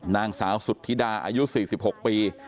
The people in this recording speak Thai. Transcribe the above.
นางสาวสุธิดาอายุ๔๖ปี